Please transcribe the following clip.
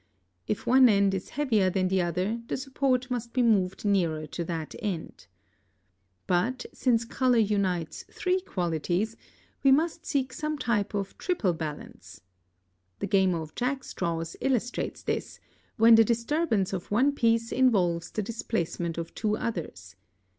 If one end is heavier than the other, the support must be moved nearer to that end. But, since color unites three qualities, we must seek some type of triple balance. The game of jackstraws illustrates this, when the disturbance of one piece involves the displacement of two others.